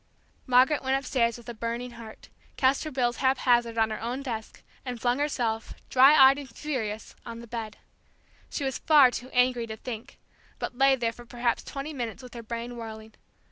Margaret went upstairs with a burning heart, cast her bills haphazard on her own desk, and flung herself, dry eyed and furious, on the bed. She was far too angry to think, but lay there for perhaps twenty minutes with her brain whirling.